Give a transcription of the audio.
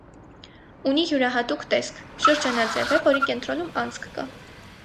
Ունի յուրահատուկ տեսք. շրջանաձև է, որի կենտրոնում անցք կա։